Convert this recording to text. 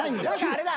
あれだ。